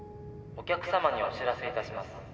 お客さまにお知らせいたします。